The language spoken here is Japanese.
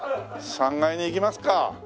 ３階に行きますか。